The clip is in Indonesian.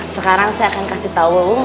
sekarang saya akan kasih tahu